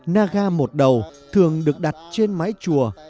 naga một đầu thường được đặt trên mái chùa